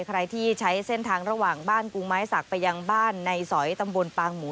ใครที่ใช้เส้นทางระหว่างบ้านกรุงไม้สักไปยังบ้านในสอยตำบลปางหมู